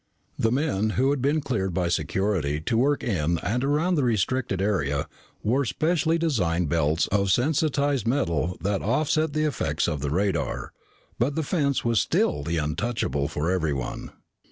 The men who had been cleared by security to work in and around the restricted area wore specially designed belts of sensitized metal that offset the effects of the radar. But the fence was still the untouchable for everyone.